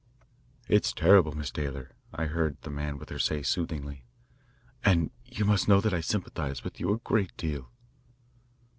"It's terrible, Miss Taylor," I heard the man with her say soothingly, "and you must know that I sympathise with you a great deal."